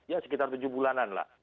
ya sekitar tujuh bulanan lah